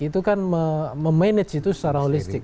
itu kan memanage itu secara holistik